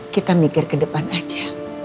kita mikir ke depan aja